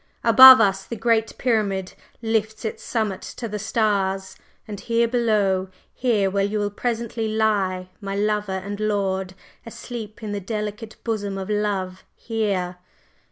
"Above us, the Great Pyramid lifts its summit to the stars; and here below, here where you will presently lie, my lover and lord, asleep in the delicate bosom of love here.